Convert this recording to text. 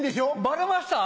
バレました？